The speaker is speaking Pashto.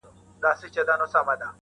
څوک چي نه لري دا دواړه بختور دی!.